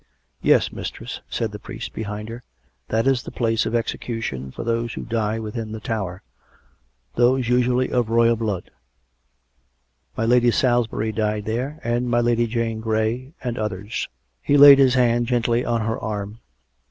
" Yes, mistress," said the priest behind her. " That is the place of execution for those who die within the Tower — those usually of royal blood. Mj Lady Salisbury died there, and my Lady Jane Grey, and others." He laid his hand gently on her arm.